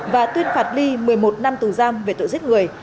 và tuyên phạt ly một mươi một năm tù giam về tội giết người